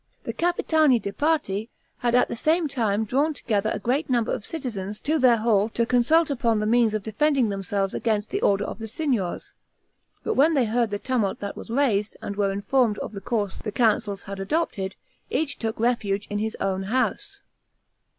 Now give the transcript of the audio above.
The Capitani di Parte had at the same time drawn together a great number of citizens to their hall to consult upon the means of defending themselves against the orders of the Signors, but when they heard the tumult that was raised, and were informed of the course the Councils had adopted, each took refuge in his own house.